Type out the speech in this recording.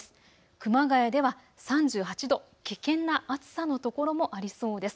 熊谷では３８度、危険な暑さのところもありそうです。